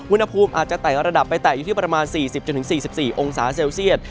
อุณหภูมิอาจจะไต่ระดับไปแต่อยู่ที่ประมาณ๔๐๔๔องศาเซลเซียต